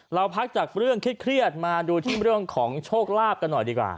เราพักจากเรื่องคิดเครียดมาดูแบบโชคลาภกันหน่อยดีกว่า